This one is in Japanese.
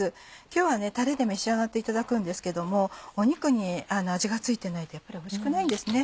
今日はタレで召し上がっていただくんですけども肉に味が付いてないとやっぱりおいしくないんですね。